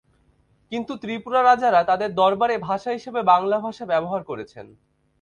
কিন্তু ত্রিপুরা রাজারা তাঁদের দরবারের ভাষা হিসেবে বাংলা ভাষা ব্যবহার করেছেন।